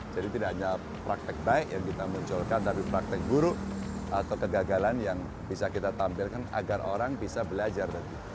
jadi tidak hanya praktek baik yang kita munculkan tapi praktek buruk atau kegagalan yang bisa kita tampilkan agar orang bisa belajar